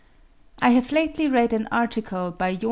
I have lately read an article by Joh.